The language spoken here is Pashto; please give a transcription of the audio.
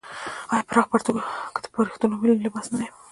آیا پراخ پرتوګ د پښتنو ملي لباس نه دی؟